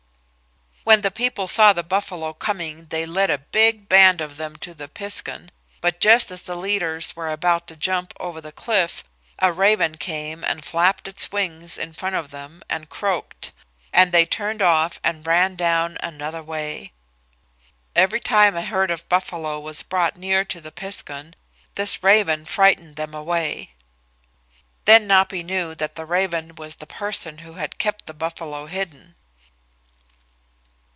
When the people saw the buffalo coming they led a big band of them to the piskun, but just as the leaders were about to jump over the cliff a raven came and flapped its wings in front of them and croaked, and they turned off and ran down another way. Every time a herd of buffalo was brought near to the piskun this raven frightened them away. Then Napi knew that the raven was the person who had kept the buffalo hidden.